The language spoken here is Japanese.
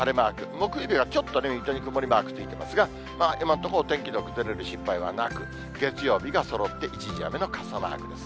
木曜日がちょっと水戸に曇りマークついてますが、今のところ、お天気の崩れる心配はなく、月曜日がそろって一時雨の傘マークです。